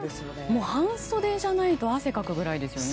もう半袖じゃないと汗かくくらいですね。